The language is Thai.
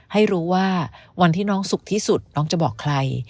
ให้รู้ว่าวันที่น้องสุขที่สุดน้องจะบอกใคร